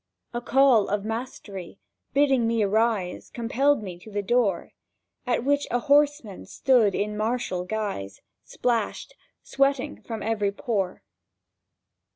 —A call of mastery, bidding me arise, Compelled me to the door, At which a horseman stood in martial guise— Splashed—sweating from every pore.